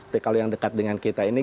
tapi kalau yang dekat dengan kita ini